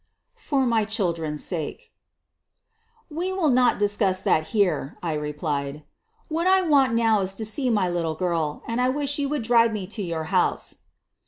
'' FOE MY CHILDREN'S SAKE 1 1 We will not discuss that here, '' I replied. ' i What I want now is to see my little girl, and I wish you would drive me to your house."